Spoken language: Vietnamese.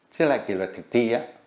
xếp lại kỷ luật thực thi